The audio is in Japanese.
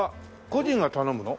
個人が頼むの？